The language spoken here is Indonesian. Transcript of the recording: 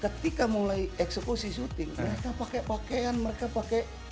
ketika mulai eksekusi syuting mereka pakai pakaian mereka pakai